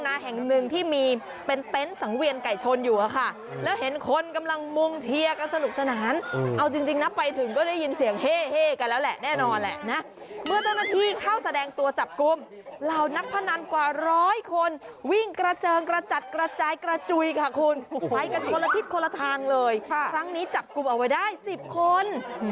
จะไม่รู้ได้ไงว่าคุณมารวมตัวทำอะไรกัน